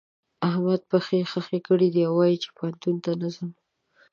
احمد پښې خښې کړې دي او وايي چې پوهنتون ته نه ځم.